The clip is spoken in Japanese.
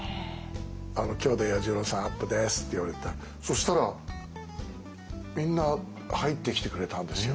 今日で彌十郎さんアップですって言われてそしたらみんな入ってきてくれたんですよ